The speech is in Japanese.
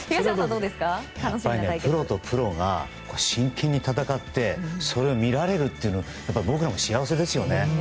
プロとプロが真剣に戦ってそれが見られるって僕らも幸せですよね。